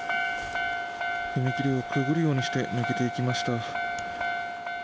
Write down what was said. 踏切をくぐるようにして抜けていきました。